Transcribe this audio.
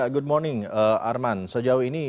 good morning arman sejauh ini